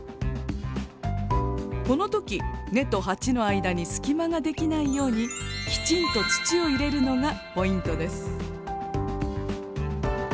この時根と鉢の間にすき間ができないようにきちんと土を入れるのがポイントです。